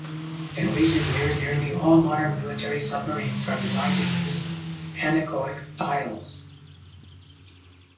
In recent years, nearly all modern military submarines are designed to use anechoic tiles.